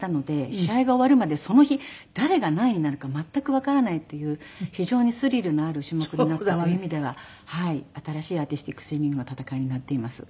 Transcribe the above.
試合が終わるまでその日誰が何位になるか全くわからないという非常にスリルのある種目になったという意味では新しいアーティスティックスイミングの戦いになっています。